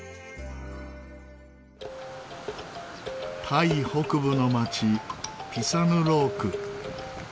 タイ北部の町ピサヌローク。